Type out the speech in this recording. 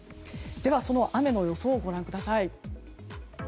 では、その雨の予想をご覧ください。